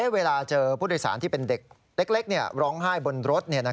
เวลาเจอผู้โดยสารที่เป็นเด็กเล็กร้องไห้บนรถ